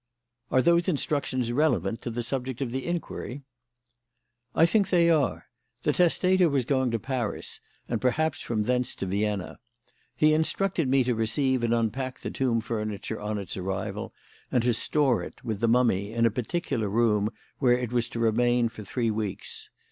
"Are those instructions relevant to the subject of this inquiry?" "I think they are. The testator was going to Paris, and perhaps from thence to Vienna. He instructed me to receive and unpack the tomb furniture on its arrival, and to store it, with the mummy, in a particular room, where it was to remain for three weeks.